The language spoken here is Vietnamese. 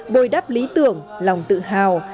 bồi đắp lý tưởng lòng tự hào